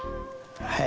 はい。